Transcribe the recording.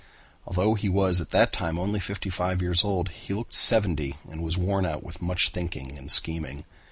Although he was at that time only fifty five years old he looked seventy and was worn out with much thinking and scheming.